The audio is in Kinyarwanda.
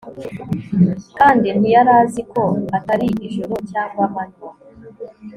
Kandi ntiyari azi ko atari ijoro cyangwa amanywa